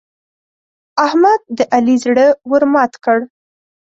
احمد د علي زړه ور مات کړ.